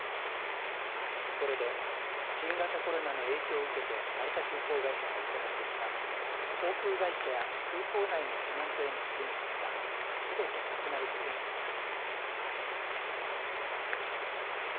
これで新型コロナの影響を受けて成田空港会社が行ってきた航空会社や空港内のテナントへの支援策はすべてなくなることになります。